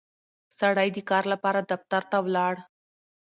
سړی د کار لپاره دفتر ته ولاړ